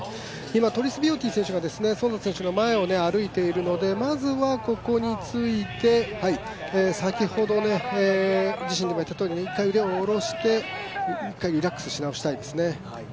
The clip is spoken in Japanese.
今トリスビオティ選手が園田選手の前を歩いているのでまずは、ここについて、先ほど、自身でもいったとおり１回腕を下ろして、１回リラックスし直したいですね。